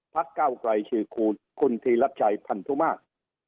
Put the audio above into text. เก้าไกลชื่อคุณธีรัชชัยพันธุมาตร